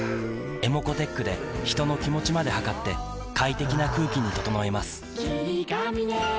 ｅｍｏｃｏーｔｅｃｈで人の気持ちまで測って快適な空気に整えます三菱電機